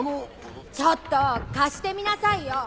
ちょっと貸してみなさいよ。